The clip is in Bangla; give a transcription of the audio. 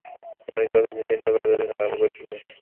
মানুষও যতদিন চিন্তা করিতে আরম্ভ করিয়াছে, ততদিন এইরূপ করিতেছে।